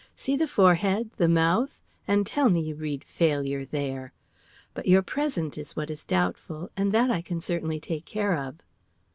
"See the forehead, the mouth, and tell me you read failure there! But your present is what is doubtful, and that I can certainly take care of."